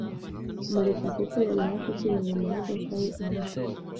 Murekatete yari hafi kwinjira mu modoka ye arashwe.